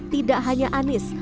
tidak hanya anies